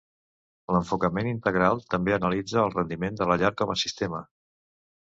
L'enfocament integral també analitza el rendiment de la llar com a sistema.